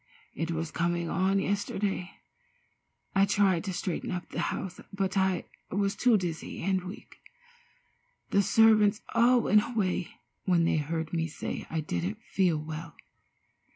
It was coming on yesterday. I tried to straighten up the house, but I was too dizzy and weak. The servants all went away when they heard me say I didn't feel well.